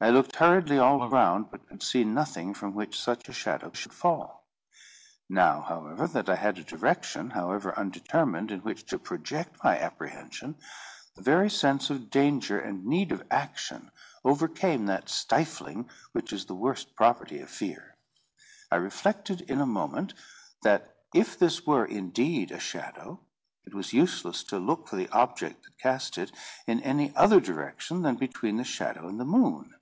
I looked hurriedly all around, but could see nothing from which such a shadow should fall. Now, however, that I had a direction, however undetermined, in which to project my apprehension, the very sense of danger and need of action overcame that stifling which is the worst property of fear. I reflected in a moment, that if this were indeed a shadow, it was useless to look for the object that cast it in any other direction than between the shadow and the moon.